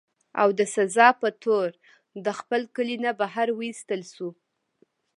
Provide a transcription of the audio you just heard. او د سزا پۀ طور د خپل کلي نه بهر اوويستی شو